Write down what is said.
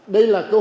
đây là cơ hội lớn